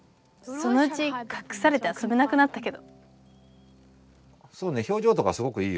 「そのうちかくされてあそべなくなったけど」